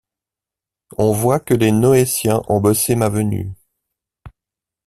On voit que les Noétiens ont bossé ma venue.